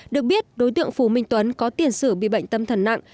được biết đối tượng phù minh tuấn có tiền sử bị bệnh tâm thần nặng